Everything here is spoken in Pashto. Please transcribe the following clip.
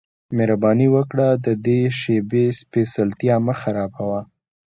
مهرباني وکړه د دې شیبې سپیڅلتیا مه خرابوه